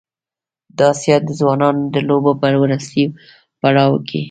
د اسیا د ځوانانو د لوبو په وروستي پړاو کې